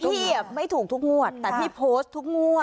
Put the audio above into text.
พี่ไม่ถูกทุกงวดแต่พี่โพสต์ทุกงวด